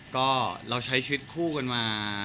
ก็เราใช้ชีวิตคู่กันมา